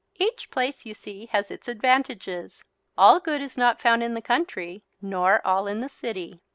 Each place you see has its advantages. All good is not found in the country, nor all in the city.